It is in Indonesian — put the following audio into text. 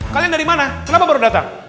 kalian dari mana kenapa baru datang